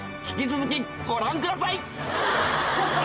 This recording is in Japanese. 引き続きご覧ください！